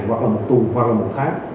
hoặc là một tuần hoặc là một tháng